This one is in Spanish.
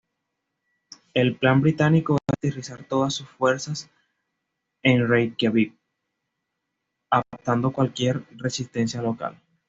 El plan británico era aterrizar todas sus fuerzas en Reikiavik, aplastando cualquier resistencia local.